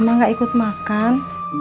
emah gak ikut makan